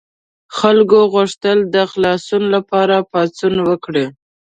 خلکو غوښتل د خلاصون لپاره پاڅون وکړي.